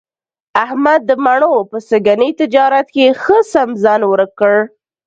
احمد د مڼو په سږني تجارت کې ښه سم ځان ورک کړ.